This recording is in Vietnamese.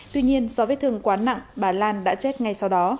tuy nhiên do vết thương quá nặng bà lan đã chết ngay sau đó